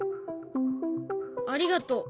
ありがとう。